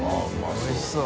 おいしそう。